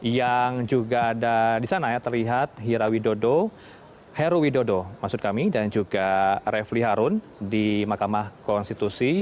yang juga ada di sana ya terlihat hirawidodo heru widodo maksud kami dan juga refli harun di makamah konstitusi